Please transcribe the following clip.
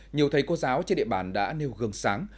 nhiều thầy cô giáo trên địa bàn đã nêu gương sáng